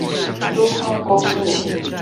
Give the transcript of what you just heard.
蘇花公路